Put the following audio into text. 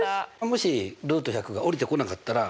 もしルート１００がおりてこなかったら？